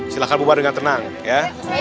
silahkan bubar dengan tenang ya